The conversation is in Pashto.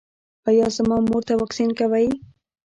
ایا زما مور ته واکسین کوئ؟